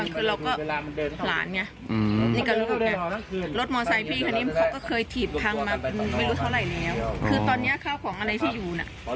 คือตอนนี้ข้าวของอะไรที่อยู่